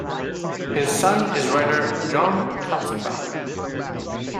His son is writer John Katzenbach.